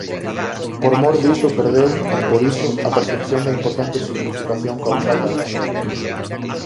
Por mor diso perdeu, emporiso, a percepción da importante significación causal da raza.